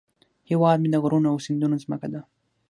هیواد مې د غرونو او سیندونو زمکه ده